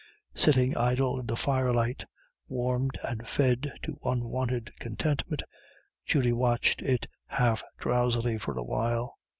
Sitting idle in the firelight, warmed and fed to unwonted contentment, Judy watched it half drowsily for a while.